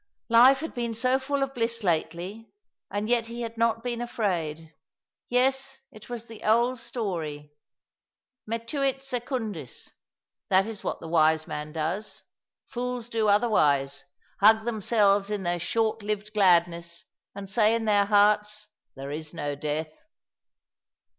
Life had been so full of bliss lately, and yet he had not been afraid. Yes, it was the old story. " Metuit secundis." That is what the wise man does. Fools do otherwise — hug themselves in their short lived gladness, and say in their hearts, " There is no death."